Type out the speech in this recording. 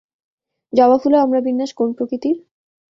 জবা ফুলের অমরাবিন্যাস কোন প্রকৃতির?